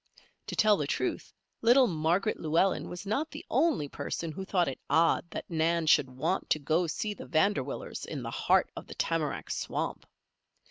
To tell the truth, little Margaret Llewellen was not the only person who thought it odd that Nan should want to go to see the Vanderwillers in the heart of the tamarack swamp.